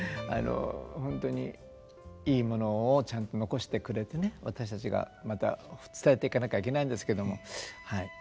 本当にいいものをちゃんと残してくれてね私たちがまた伝えていかなきゃいけないんですけどもはい。